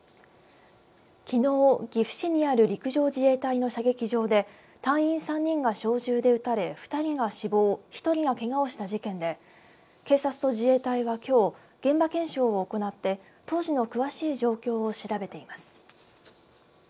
きのう、岐阜市にある陸上自衛隊の射撃場で隊員３人が小銃で撃たれ２人が死亡１人がけがをした事件で警察と自衛隊はきょう現場検証を行って当時の詳しい状況を調べています。